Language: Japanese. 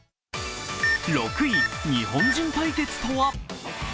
６位、日本人対決とは？